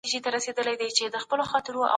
د مال بيرته ورکول د مېړانې او انصاف نښه ده.